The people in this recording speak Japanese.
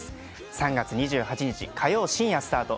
３月２８日火曜深夜スタート